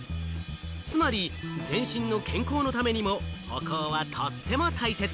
つまり全身の健康のためにも、歩行はとっても大切。